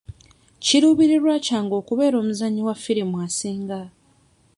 Kiruubirirwa kyange okubeera omuzannyi wa ffirimu asinga.